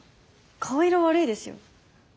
顔色悪いですよ。